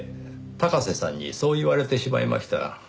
高瀬さんにそう言われてしまいました。